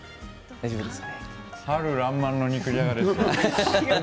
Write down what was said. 春らんまんの肉じゃがですね。